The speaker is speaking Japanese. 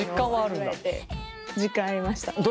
実感ありました。